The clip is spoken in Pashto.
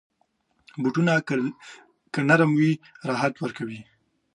بوټونه که نرم وي، راحت ورکوي.